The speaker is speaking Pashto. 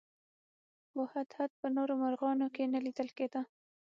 خو هدهد په نورو مرغانو کې نه لیدل کېده.